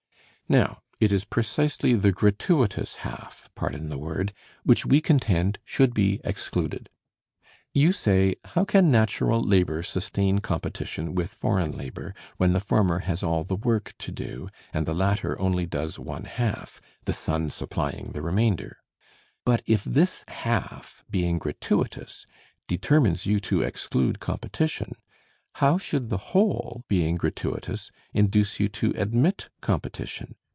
Now, it is precisely the gratuitous half (pardon the word) which we contend should be excluded. You say, How can natural labor sustain competition with foreign labor, when the former has all the work to do, and the latter only does one half, the sun supplying the remainder? But if this half, being gratuitous, determines you to exclude competition, how should the whole, being gratuitous, induce you to admit competition?